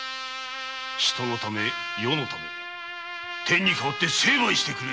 人のため世のため天に代わって成敗してくれる！